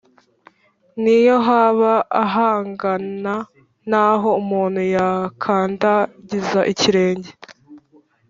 niyo haba ahangana n’aho umuntu yakandagiza ikirenge;